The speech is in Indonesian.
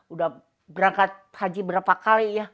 udah berangkat haji berapa kali ya